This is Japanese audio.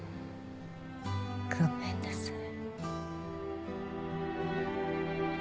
ごめんなさい。